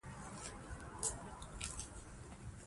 امتحان ته پوره اماده اوسه